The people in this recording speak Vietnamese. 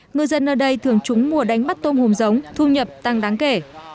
ngư dân ở đây thường trúng mùa đánh bắt tôm hùm giống thu nhập tăng đáng kể